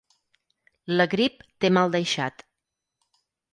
La grip té mal deixat.